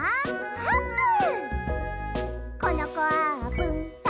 「あーぷん」！